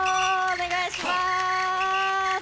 お願いします！